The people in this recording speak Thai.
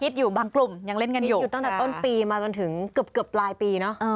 อยู่บางกลุ่มยังเล่นกันอยู่ตั้งแต่ต้นปีมาจนถึงเกือบปลายปีเนอะ